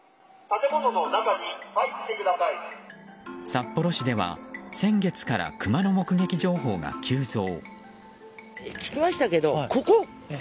札幌市では先月からクマの目撃情報が急増。